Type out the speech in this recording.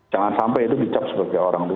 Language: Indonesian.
jangan sampai itu dicap sebagai orang